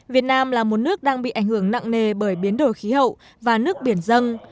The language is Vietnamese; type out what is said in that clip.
việt nam là một nước đang bị ảnh hưởng nặng nề bởi biến đổi khí hậu và nước biển dân